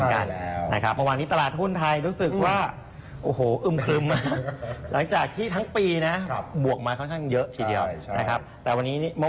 คุณทำไมภาคเพียงเลือก